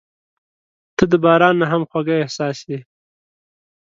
• ته د باران نه هم خوږه احساس یې.